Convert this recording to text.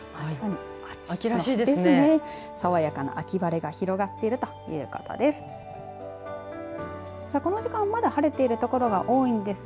さわやかな秋晴れが広がっているということです。